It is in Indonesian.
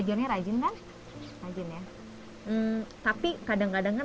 kami bisa beristirahat sejenak kami bisa beristirahat sejenak